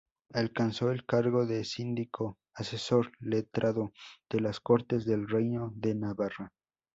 Alcanzó el cargo de Síndico, asesor letrado, de las Cortes del Reino de Navarra.